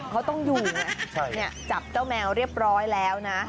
เขาต้องอยู่ไงจับเจ้าแมวเรียบร้อยแล้วนะ